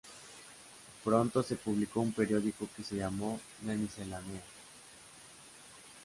Pronto se publicó un periódico que se llamó La Miscelánea.